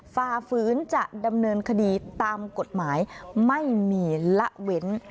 ฝ่าฝืนจะดำเนินคดีตามกฎหมายไม่มีละเว้น